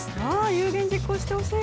有言実行してほしい。